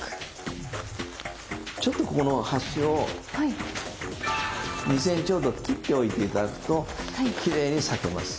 ちょっとここの端を２ｃｍほど切っておいて頂くときれいに裂けます。